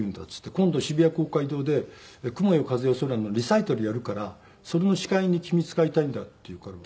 「今度渋谷公会堂で『雲よ風よ空よ』のリサイタルをやるからそれの司会に君使いたいんだ」って言うから。